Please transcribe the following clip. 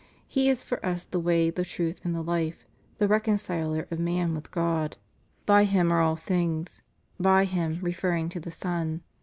He is for us the way, the truth, and the life: the reconciler of man with God. "By Him are all things," by Him referring to the Son.